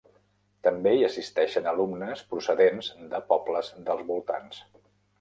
També hi assisteixen alumnes procedents de pobles dels voltants.